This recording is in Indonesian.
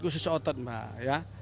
khusus otot mbak ya